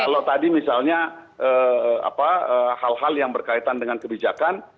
kalau tadi misalnya hal hal yang berkaitan dengan kebijakan